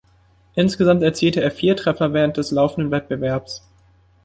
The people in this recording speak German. Insgesamt erzielte er vier Treffer während des laufenden Wettbewerbs.